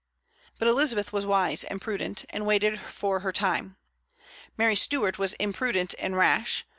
But Elizabeth was wise and prudent, and waited for her time. Mary Stuart was imprudent and rash.